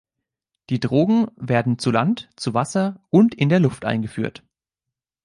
Die Drogen werden zu Land, zu Wasser und in der Luft eingeführt.